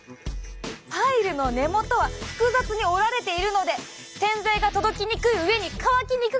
パイルの根元は複雑に織られているので洗剤が届きにくい上に乾きにくくもあるんです。